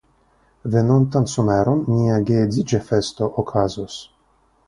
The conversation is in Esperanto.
Venontan someron nia geedziĝa festo okazos.